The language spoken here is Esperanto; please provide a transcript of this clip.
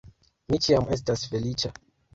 Mi ĉiam estas feliĉa